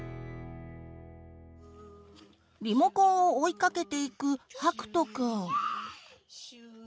リモコンを追いかけていくはくとくん。